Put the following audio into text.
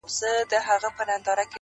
o چي لــه ژړا سره خبـري كوم.